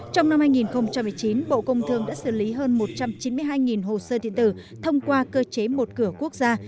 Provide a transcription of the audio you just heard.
trong năm hai nghìn một mươi chín bộ công thương đã xử lý hơn một trăm chín mươi hai hồ sơ điện tử thông qua cơ chế một cửa quốc gia